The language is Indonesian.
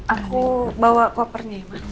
aku bawa kopernya mak